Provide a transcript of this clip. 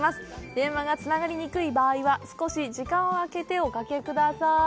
電話がつながりにくい場合は、少し時間を空けておかけください。